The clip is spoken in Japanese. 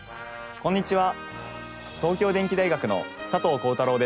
こんにちは。